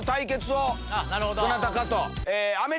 どなたかと。